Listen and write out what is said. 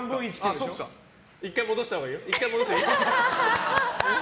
１回戻したほうがいいよ。